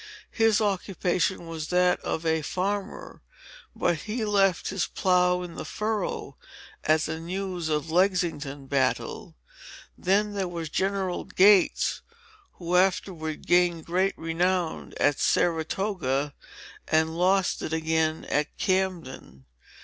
His occupation was that of a farmer; but he left his plough in the furrow, at the news of Lexington battle. Then there was General Gates, who afterward gained great renown at Saratoga, and lost it again at Camden.